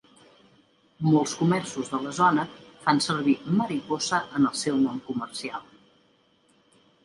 Molts comerços de la zona fan servir "Mariposa" en el seu nom comercial.